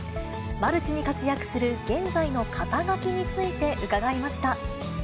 マルチに活躍する現在の肩書について伺いました。